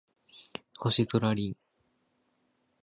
星空凛